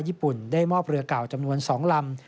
ญี่ปุ่นได้มอบเรือเก่าจำนวน๒ลำ